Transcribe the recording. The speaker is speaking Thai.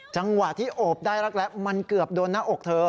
จังหวะที่โอบได้แรกมันเกือบโดนหน้าอกเธอ